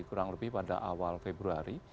kurang lebih pada awal februari